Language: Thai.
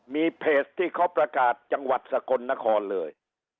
มีเพจที่เขาประกาศจังหวัดสกลนครเลย